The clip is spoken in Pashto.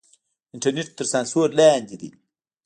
انټرنېټ تر سانسور لاندې دی.